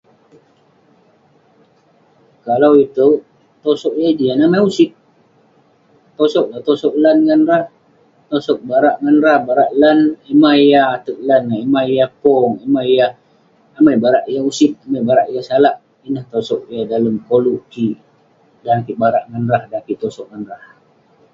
kalau itouk tosog yah jian, amai usit. Tosog lah tosog lan ngan rah. Tosog barak ngan rah barak lan yah mah yah ateg lan neh..yah mah yah pong, yah mah yah- amai barak yah usit amai barak yah salak. Ineh tosog yah dalem koluk kik, dan kik barak ngan rah dan kik tosog ngan rah.